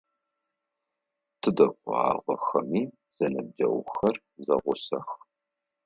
Тыдэ кӏуагъэхэми, зэныбджэгъухэр зэгъусэх.